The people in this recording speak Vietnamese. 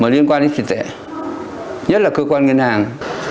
liên quan đến tiền tệ nhất là cơ quan ngân hàng